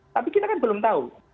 tapi kita kan belum tahu